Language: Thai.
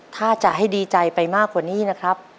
ถ้าจะให้ดีใจไปมากกว่านี้นะครับ